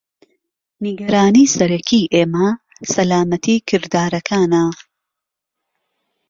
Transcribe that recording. نیگەرانی سەرەکی ئێمە سەلامەتی کردارەکانە.